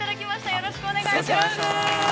◆よろしくお願いします。